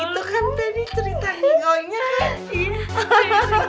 itu kan tadi cerita ngo nya kan